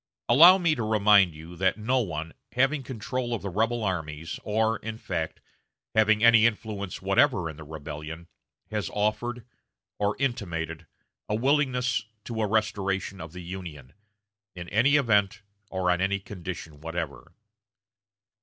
Allow me to remind you that no one, having control of the rebel armies, or, in fact, having any influence whatever in the rebellion, has offered, or intimated, a willingness to a restoration of the Union, in any event, or on any condition whatever....